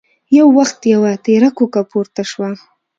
يو وخت يوه تېره کوکه پورته شوه.